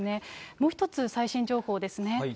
もう１つ最新情報ですね。